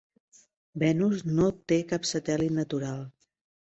Venus no té cap satèl·lit natural.